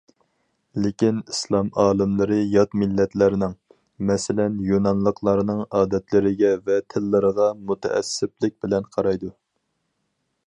لېكىن ئىسلام ئالىملىرى يات مىللەتلەرنىڭ، مەسىلەن يۇنانلىقلارنىڭ ئادەتلىرىگە ۋە تىللىرىغا مۇتەئەسسىپلىك بىلەن قارايدۇ.